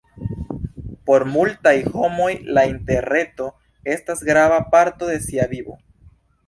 Por multaj homoj la interreto estas grava parto de sia vivo.